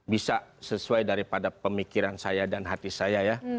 bisa sesuai daripada pemikiran saya dan hati saya ya